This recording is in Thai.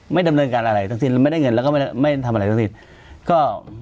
ไม่ดำเนินการอะไรทั้งสิ้นไม่ได้เงินแล้วก็ไม่ได้ทำอะไรทั้งสิ้นก็